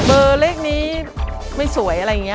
เบอร์เลขนี้ไม่สวยอะไรแบบนี้